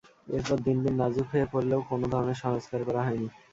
এরপর দিন দিন নাজুক হয়ে পড়লেও কোনো ধরনের সংস্কার করা হয়নি।